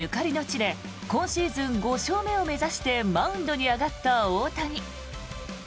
ベーブ・ルースゆかりの地で今シーズン５勝目を目指してマウンドに上がった大谷。